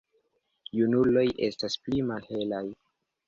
Junuloj estas pli malhelaj.